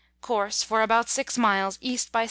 Course, for about 6 miles E. by S.